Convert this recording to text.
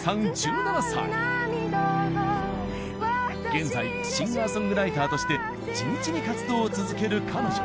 現在シンガーソングライターとして地道に活動を続ける彼女。